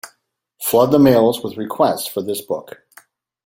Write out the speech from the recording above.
Flood the mails with requests for this book.